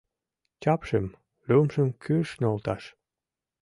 Чапшым, лӱмжым кӱш нӧлташ